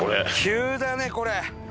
急だねこれ。